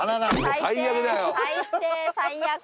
最低最悪。